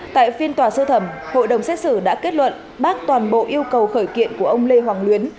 tại phiên tòa sơ thẩm hội đồng xét xử đã kết luận bác toàn bộ yêu cầu khởi kiện của ông lê hoàng luyến